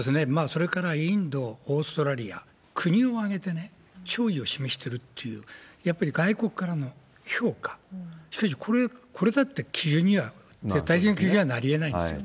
それからインド、オーストラリア、国を挙げてね、弔意を示してるっていう、やっぱり外国からの評価、しかしこれだって、基準には、絶対的な基準にはなりえないんですよ。